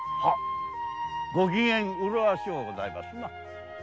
ご機嫌麗しゅうございますな。